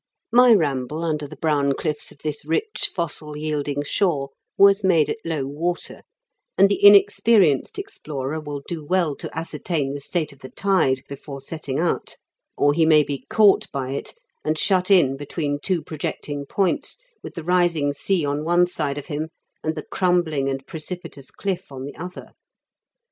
My ramble under the brown clifis of this rich fossil yielding shore was made at low water ; and the inexperienced explorer will do well to ascertain the state of the tide before EN0B0ACHMENT8 OF THE SEA 83 setting out, or he may be caught by it, and shut in between two projecting points, with the rising sea on one side of him, and the crumbling and precipitous cliff on the other.